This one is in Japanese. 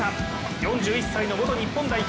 ４１歳の元日本代表